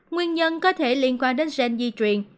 nguyên nhân có thể liên quan đến gen di truyền